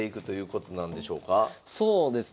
そうですね。